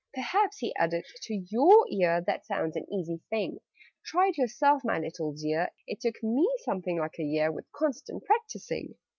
"Perhaps," he added, "to your ear That sounds an easy thing? Try it yourself, my little dear! It took me something like a year, With constant practising.